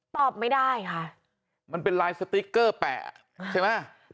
ตอบไม่ได้ค่ะมันเป็นลายสติ๊กเกอร์แปะใช่ไหม